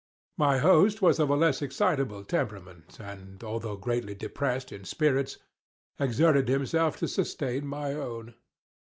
My host was of a less excitable temperament, and, although greatly depressed in spirits, exerted himself to sustain my own.